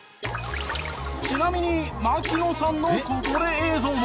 ちなみに槙野さんのこぼれ映像も。